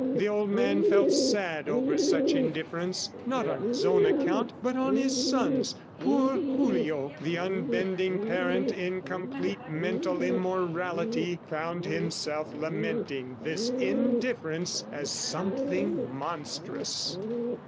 ... The old man felt sad over such indifference, not on his own account, but on his son's. Poor Julio! ... The unbending parent, in complete mental immorality, found himself lamenting this indifference as something monstrous.